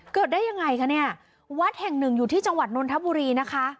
เกิดได้ยังไงคะเนี่ยวัดแห่งหนึ่งอยู่ที่จังหวัดนนทบุรีนะคะ